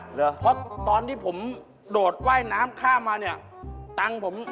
เพราะตอนที่ผมโดดไฟน้ำข้ามมาดังผม